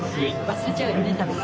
忘れちゃうよね